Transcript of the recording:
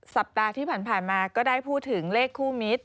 สัปดาห์ที่ผ่านมาก็ได้พูดถึงเลขคู่มิตร